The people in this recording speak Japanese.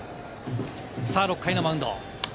６回のマウンド。